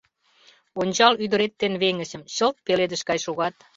Ончал ӱдырет ден веҥычым — чылт пеледыш гай шогат.